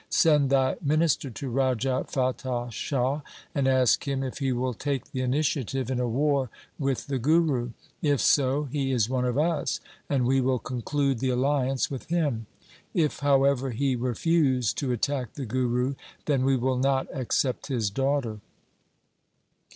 Send thy minister to Raja Fatah Shah, and ask him if he will take the initiative in a war with the Guru. If so, he is one of us, and we will conclude the alliance with him. If, however, he refuse to attack the Guru, then we will not accept his daughter.'